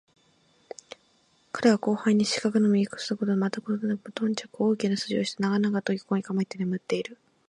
彼は吾輩の近づくのも一向心付かざるごとく、また心付くも無頓着なるごとく、大きな鼾をして長々と体を横えて眠っている